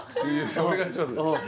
お願いしますよ